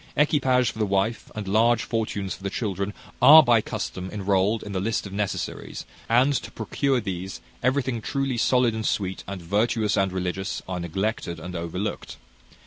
Equipage for the wife, and large fortunes for the children, are by custom enrolled in the list of necessaries; and to procure these, everything truly solid and sweet, and virtuous and religious, are neglected and overlooked.